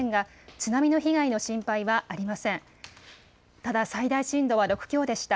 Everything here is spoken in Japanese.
ただ、最大震度は６強でした。